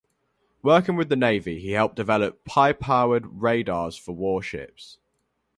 Working with the Navy, he helped develop high-powered radars for warships.